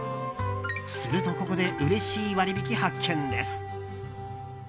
すると、ここでうれしい割引発見です。